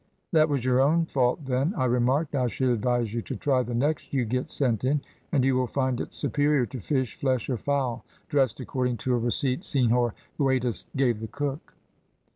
"`That was your own fault then,' I remarked; `I should advise you to try the next you get sent in, and you will find it superior to fish, flesh, or fowl, dressed according to a receipt Senhor Guedes gave the cook.'